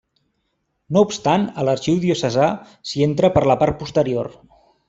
No obstant a l'Arxiu Diocesà s'hi entra per la part posterior.